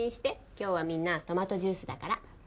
今日はみんなトマトジュースだから。